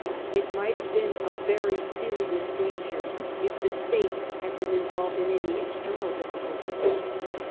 It might have been a very serious danger if the State had been involved in any external difficulties.